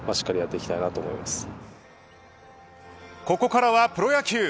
ここからはプロ野球。